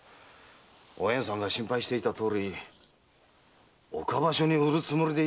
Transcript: おえんさんが心配していたとおり岡場所に売るつもりでいたんですからね。